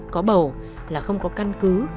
có bầu là không có căn cứ